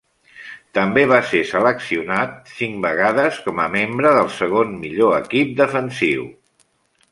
També va ser seleccionat cinc vegades com a membre del segon millor equip defensiu.